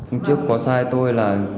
ông trước có sai tôi là